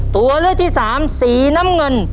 ตัวเลือกที่สามสีน้ำเงิน